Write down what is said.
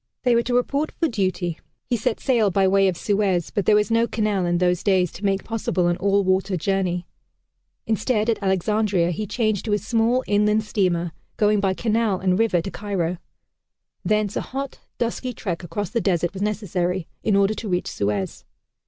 They were to report for duty. He set sail by way of Suez, but there was no canal in those days to make possible an all water journey. Instead, at Alexandria he changed to a small inland steamer going by canal and river to Cairo. Thence a hot dusty trek across the desert was necessary, in order to reach Suez.